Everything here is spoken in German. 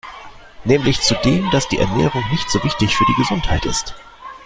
Nämlich zu dem, dass die Ernährung nicht so wichtig für die Gesundheit ist.